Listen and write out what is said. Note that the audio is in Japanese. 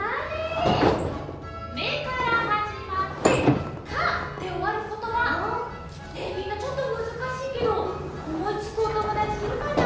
「め」からはじまって「か」でおわることばねえみんなちょっとむずかしいけどおもいつくおともだちいるかな？